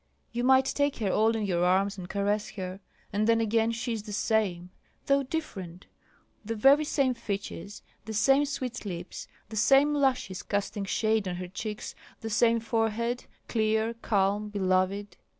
You might take her all in your arms and caress her! And then again she is the same, though different, the very same features, the same sweet lips, the same lashes casting shade on her cheeks, the same forehead, clear, calm, beloved.